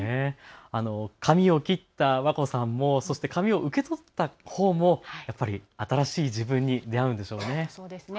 髪を切った和恋さんもそして髪を受け取った方もやっぱり新しい自分に出会うんですよね。